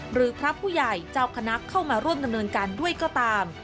หรือพระผู้ใหญ่เจ้าคณะเข้ามาร่วมดำเนินการด้วยก็ตาม